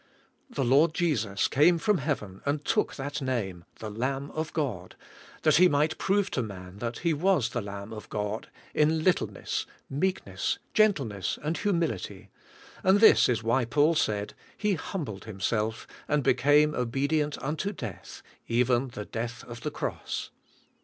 The Lord Jesus came from heaven and took that name — the Lamb of God — that He might froze to man He was the Lamb of God in littleness., meek ness, gentleness and humility, and this is why Paul said, ''He humbled Himself, and became obedient unto death, even the death of the cross."